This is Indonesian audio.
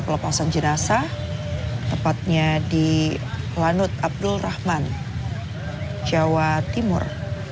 pelepasan jenazah tepatnya di lanut abdulrahman jawa timur